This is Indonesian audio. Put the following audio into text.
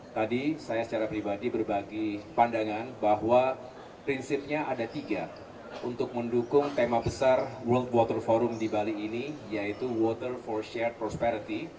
tadi saya secara pribadi berbagi pandangan bahwa prinsipnya ada tiga untuk mendukung tema besar world water forum di bali ini yaitu water for share prosperity